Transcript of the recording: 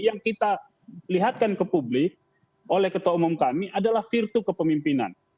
yang kita lihatkan ke publik oleh ketua umum kami adalah virtu kepemimpinan